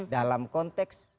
dalam konteks pemerintahan